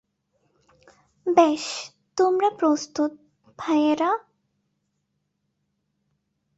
বেশ, তোমরা প্রস্তুত, ভাইয়েরা?